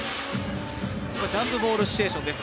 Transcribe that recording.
ジャンプボールシチュエーションです